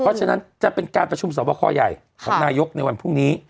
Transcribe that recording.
เพราะฉะนั้นจะเป็นการประชุมสอบคอใหญ่ของนายกในวันพรุ่งนี้